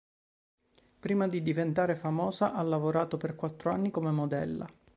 Prima di diventare famosa, ha lavorato per quattro anni come modella.